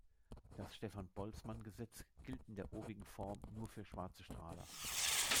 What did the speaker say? Das Stefan-Boltzmann-Gesetz gilt in der obigen Form nur für Schwarze Strahler.